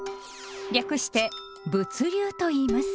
略して「物流」といいます。